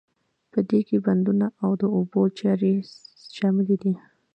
په دې کې بندونه او د اوبو چارې شاملې دي.